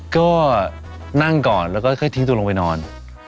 ก็นั่งก่อนแล้วก็ค่อยทิ้งตัวลงไปนอน